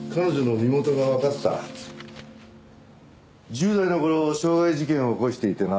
１０代の頃傷害事件を起こしていてな